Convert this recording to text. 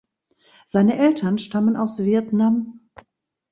Seine Eltern stammen aus Vietnam.